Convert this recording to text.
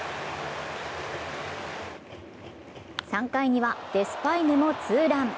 ３回にはデスパイネもツーラン！